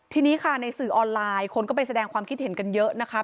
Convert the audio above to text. ทีนี้ค่ะในสื่อออนไลน์คนก็ไปแสดงความคิดเห็นกันเยอะนะคะ